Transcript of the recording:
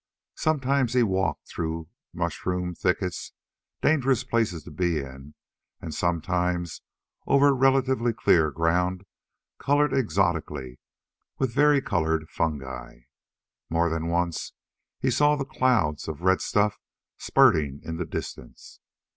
Sometimes he walked through mushroom thickets dangerous places to be in and sometimes over relatively clear ground colored exotically with varicolored fungi. More than once he saw the clouds of red stuff spurting in the distance.